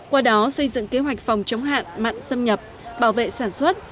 qua đó xây dựng kế hoạch phòng chống hạn mặn xâm nhập bảo vệ sản xuất